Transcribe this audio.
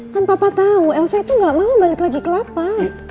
kan papa tau elsa itu gak mau balik lagi ke la paz